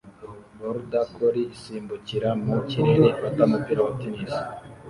Border collie isimbukira mu kirere ifata umupira wa tennis